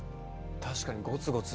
確かにゴツゴツしてて。